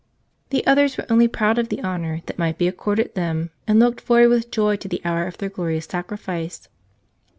The others were only proud of the honor that might be accorded them and looked forward with joy to the hour of their glorious sacrifice.